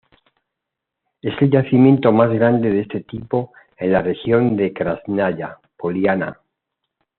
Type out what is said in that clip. Es el yacimiento más grande de este tipo en la región de Krásnaya Poliana.